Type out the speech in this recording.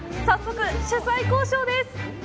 早速、取材交渉です。